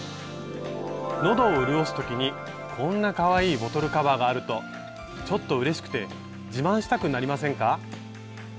喉を潤す時にこんなかわいいボトルカバーがあるとちょっとうれしくて自慢したくなりませんか？